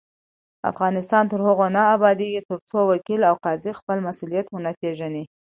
افغانستان تر هغو نه ابادیږي، ترڅو وکیل او قاضي خپل مسؤلیت ونه پیژني.